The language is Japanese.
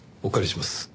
お借りします。